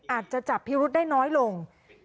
อาจจะจับพิรุษได้น้อยลง